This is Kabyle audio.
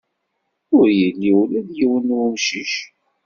Ur yelli ula d yiwen n wemcic.